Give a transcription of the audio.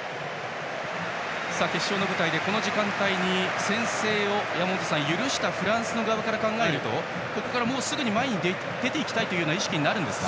山本さん、決勝の舞台でこの時間帯に先制を許したフランスの側から考えるとここからすぐ前に出ていきたい意識になるんですか？